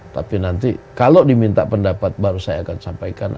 tapi nanti kalau diminta pendapat baru saya akan sampaikan